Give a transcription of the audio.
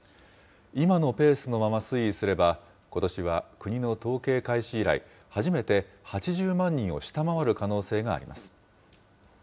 今のペースのまま推移すれば、ことしは国の統計開始以来、初めて８０万人を下回る可能性があります。